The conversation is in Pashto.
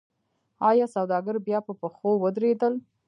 آیا سوداګر بیا په پښو ودرېدل؟